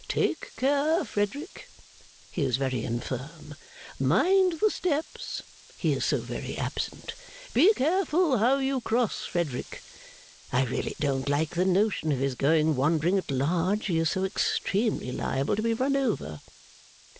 Take care, Frederick! (He is very infirm.) Mind the steps! (He is so very absent.) Be careful how you cross, Frederick. (I really don't like the notion of his going wandering at large, he is so extremely liable to be run over.)